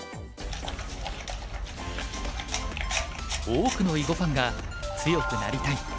多くの囲碁ファンが「強くなりたい！」